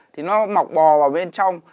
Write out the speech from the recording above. thì nó mọc bò vào bên trong